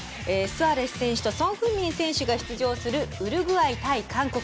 スアレス選手とソン・フンミン選手が出場するウルグアイ対韓国。